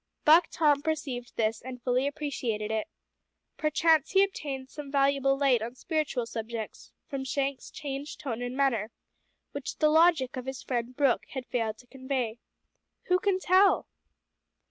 Buck Tom perceived this and fully appreciated it. Perchance he obtained some valuable light on spiritual subjects from Shank's changed tone and manner, which the logic of his friend Brooke had failed to convey. Who can tell?